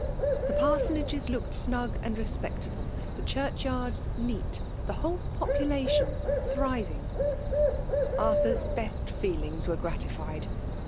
The pansonagea looked snug and reapectable— the ehurchyards, seaA—the trhok popnlatioB, thriviB^^ Arthur's best feelings were gratified.